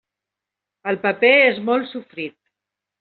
El paper és molt sofrit.